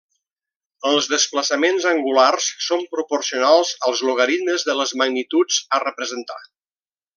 Els desplaçaments angulars són proporcionals als logaritmes de les magnituds a representar.